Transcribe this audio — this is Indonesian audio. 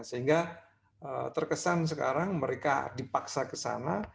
sehingga terkesan sekarang mereka dipaksa ke sana